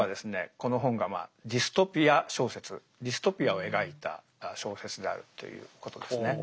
この本がディストピア小説ディストピアを描いた小説であるということですね。